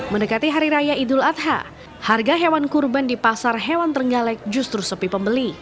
mendekati hari raya idul adha harga hewan kurban di pasar hewan trenggalek justru sepi pembeli